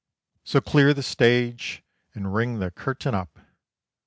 So clear the stage, and ring the curtain up!